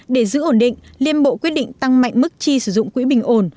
để giữ ổn định liên bộ quyết định tăng mạnh mức chi sử dụng quỹ bình ổn